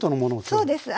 そうです。